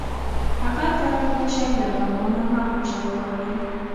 هغه طرف غشی له کمانه مه خوشی کوئ.